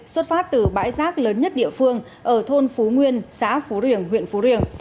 xuất phát từ bãi rác lớn nhất địa phương ở thôn phú nguyên xã phú riềng huyện phú riềng